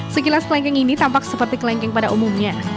sekilas kelengkeng ini tampak seperti kelengkeng pada umumnya